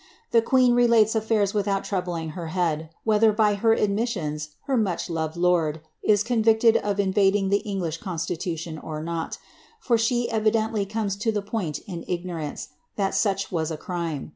The queen relates afiairs without troubling her head, whether by her admissions, i^r much loved lord, is convicted of invading the English constitution or not; for she evidently comes to the point in ignorance, that such vu a crime.